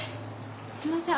すいません。